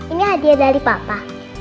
ini hadiah dari papa